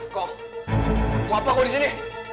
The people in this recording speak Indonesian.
kau kau apa di sini